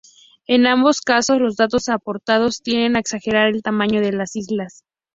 En ambos casos los datos aportados tienden a exagerar el tamaño de las islas.